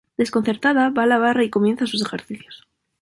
Desconcertada va a la barra y comienza sus ejercicios.